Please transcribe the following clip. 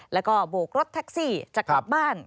แล้วก็โบกรถแท็กซี่จะกลับบ้าน